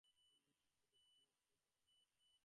Emergency service ইউনিটকে ডাকা হয়েছে?